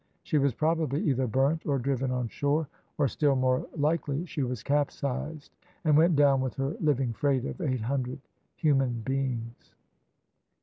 She was probably either burnt, or driven on shore, or, still more likely, she was capsized and went down with her living freight of eight hundred human beings.